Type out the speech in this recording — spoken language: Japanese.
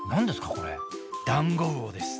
これダンゴウオです。